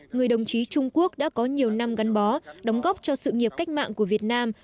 người đồng chí trung quốc đã có nhiều năm gắn bó đóng góp cho sự nghiệp cách mạng của việt nam